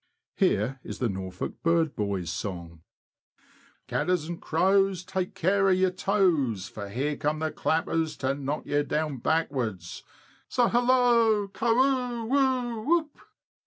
Here is the Norfolk bird boy's song : Cadders and crows, take care of your toes, For here come the clappers, To knock you down backwards : So, hallo ! Carwho, wo ! wo !! whoop